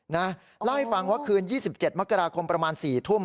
เล่าให้ฟังว่าคืน๒๗มกราคมประมาณ๔ทุ่ม